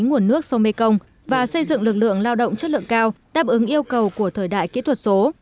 nguồn nước sông mekong và xây dựng lực lượng lao động chất lượng cao đáp ứng yêu cầu của thời đại kỹ thuật số